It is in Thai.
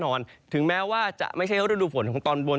กันก่อนน่ะแน่นอนถึงแม้ว่าจะไม่ใช่ธุรกิรูปฝนของตอนบน